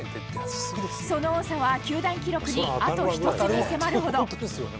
その多さは球団記録にあと１つに迫るほど。